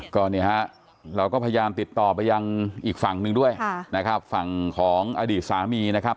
ก็เนี่ยฮะเราก็พยายามติดต่อไปยังอีกฝั่งหนึ่งด้วยนะครับฝั่งของอดีตสามีนะครับ